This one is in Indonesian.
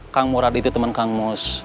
kang murad itu teman kang mus